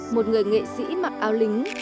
một người nghệ sĩ mặc áo lính